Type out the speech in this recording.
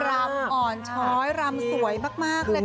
รำอ่อนช้อยรำสวยมากเลยค่ะ